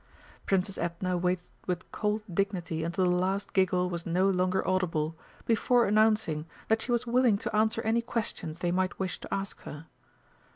Princess Edna waited with cold dignity until the last giggle was no longer audible before announcing that she was willing to answer any questions they might wish to ask her.